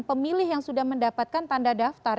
pemilih yang sudah mendapatkan tanda daftar